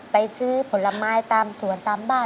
ไปซื้อผลไม้ตามสวนตามบ้าน